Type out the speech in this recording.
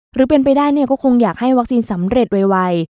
หรือเป็นไปได้เนี่ยก็คงอยากให้วัคซีนสำเร็จไว